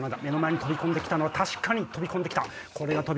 目の前に飛び込んで来たのは確かに飛び込んで来た！